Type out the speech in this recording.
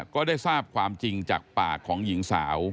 ก็ได้ทราบความจริงจากปากของหญิงสาว